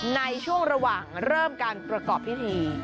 ในช่วงระหว่างเริ่มการประกอบพิธี